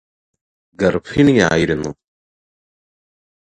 ഗര്ഭിണിയായിരുന്നു